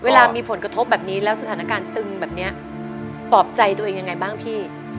เวลามีผลกระทบแบบนี้แล้วสถานการณ์ตึงแบบนี้ปลอบใจตัวเองยังไงบ้างพี่